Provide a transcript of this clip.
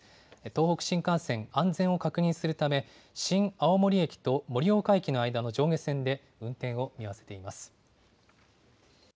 東北新幹線、安全を確認するため、新青森駅と盛岡駅の間の上下線で運転を見合わせています。